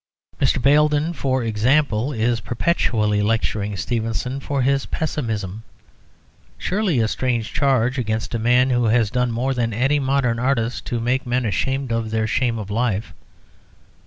Mr. Baildon, for example, is perpetually lecturing Stevenson for his "pessimism"; surely a strange charge against a man who has done more than any modern artist to make men ashamed of their shame of life.